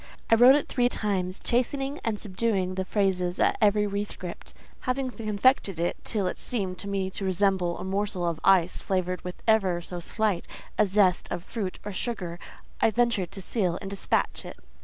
I wrote it three times—chastening and subduing the phrases at every rescript; at last, having confected it till it seemed to me to resemble a morsel of ice flavoured with ever so slight a zest of fruit or sugar, I ventured to seal and despatch it."